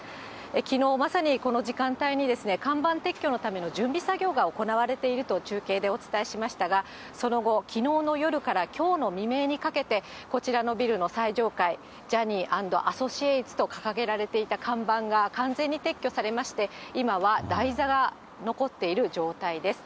きのうまさにこの時間帯に、看板撤去のための準備作業が行われていると中継でお伝えしましたが、その後、きのうの夜からきょうの未明にかけて、こちらのビルの最上階、ジャニーアンドアソシエイツと掲げられていた看板が完全に撤去されまして、今は台座が残っている状態です。